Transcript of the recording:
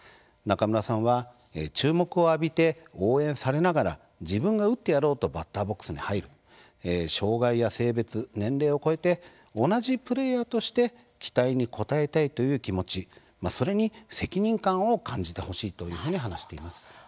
中村さんは注目を浴びて応援されながら自分が打ってやろうとバッターボックスに入る障害の有無や性別、年齢を超えて同じプレーヤーとして期待に応えたいという気持ちそれに責任感を感じてほしいと話しています。